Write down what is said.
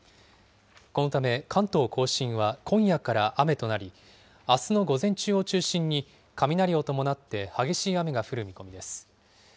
このため、関東甲信は今夜から雨となり、あすの午前中を中心に、雷を伴って激しい雨が降る見込みです。